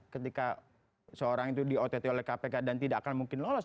ketika seorang itu di ott oleh kpk dan tidak akan mungkin lolos